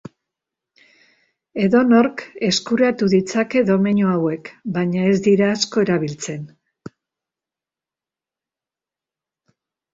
Edonork eskuratu ditzake domeinu hauek, baina ez dira asko erabiltzen.